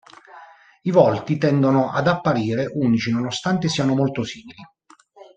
I volti tendono ad apparire unici nonostante siano molto simili.